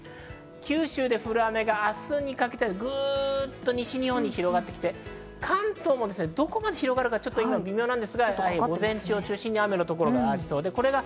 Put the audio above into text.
九州で降る雨が明日にかけてグッと西日本に広がってきて、関東もどこまで広がるか微妙なんですが、午前中を中心に雨のところがありそうです。